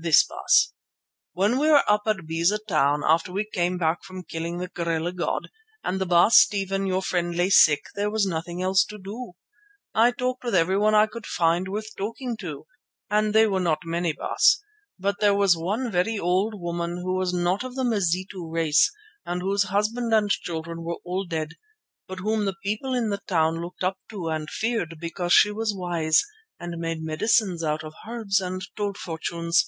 "This, Baas: When we were up at Beza Town after we came back from killing the gorilla god, and the Baas Stephen your friend lay sick, and there was nothing else to do, I talked with everyone I could find worth talking to, and they were not many, Baas. But there was one very old woman who was not of the Mazitu race and whose husband and children were all dead, but whom the people in the town looked up to and feared because she was wise and made medicines out of herbs, and told fortunes.